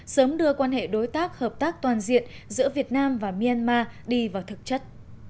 sớm đưa quan hệ đối tác hợp tác toàn diện giữa việt nam và myanmar đi vào thực chất